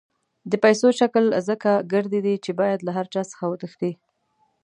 د پیسو شکل ځکه ګردی دی چې باید له هر چا څخه وتښتي.